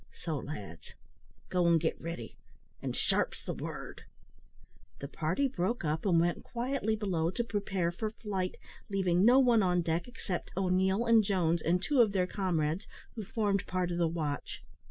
So, lads, go and git ready an' sharp's the word." The party broke up, and went quietly below to prepare for flight, leaving no one on deck except O'Neil and Jones, and two of their comrades, who formed part of the watch.